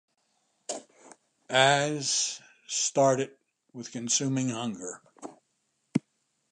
as ... started, with consuming hunger